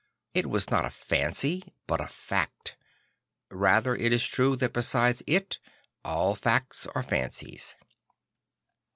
It was not a fancy but a fact; rather it is true that beside it all facts are fancies.